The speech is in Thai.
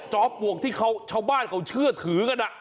ปลวกที่ชาวบ้านเขาเชื่อถือกัน